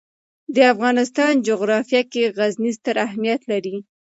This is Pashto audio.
د افغانستان جغرافیه کې غزني ستر اهمیت لري.